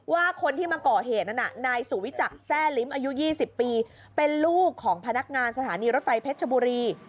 ว่าคนที่มาก่อเหตุนั้นน่ะนายสุวิจักรแร่ลิ้มอายุ๒๐ปีเป็นลูกของพนักงานสถานีรถไฟเพชรชบุรี